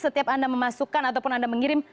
setiap anda memasukkan ataupun anda mengirim